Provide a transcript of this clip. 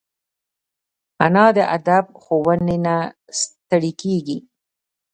انا د ادب ښوونې نه ستړي کېږي